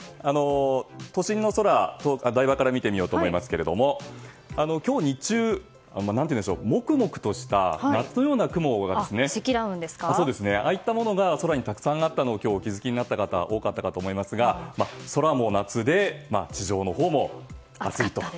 都心の空をお台場から見てみようと思いますが今日日中、モクモクとした夏のような雲といったものが空にたくさんあったのを今日、お気づきになった方多いと思いますが空も夏で、地上のほうも暑いと。